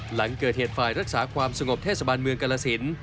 หลังเกิดเหตุฝ่ายรักษาความสงบเทศบาลเมืองกรสิน